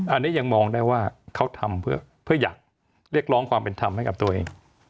อันนี้ยังมองได้ว่าเขาทำเพื่ออยากเรียกร้องความเป็นธรรมให้กับตัวเอง